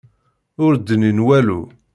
Ur d-nnin walu.